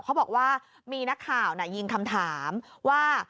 เขาบอกว่ามีนักข่าวยิงคำถามว่า